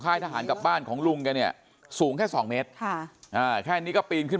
ทหารกับบ้านของลุงแกเนี่ยสูงแค่สองเมตรแค่นี้ก็ปีนขึ้น